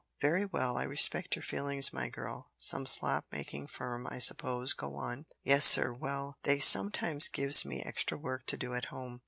"Very well. I respect your feelings, my girl. Some slop making firm, I suppose. Go on." "Yes, sir. Well they sometimes gives me extra work to do at home.